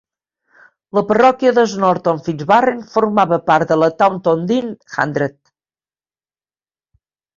La parròquia de SNorton Fitzwarren formava part de la Taunton Deane Hundred.